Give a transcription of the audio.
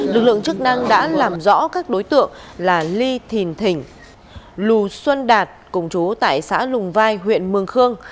lực lượng chức năng đã làm rõ các đối tượng là ly thìn thỉnh lù xuân đạt cùng chú tại xã lùng vai huyện mường khương